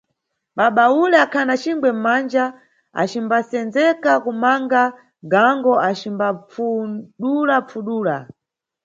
Baba ule akhana cingwe mmanja acimbasenzeka kumanga gango acimbapfudula-pfudula.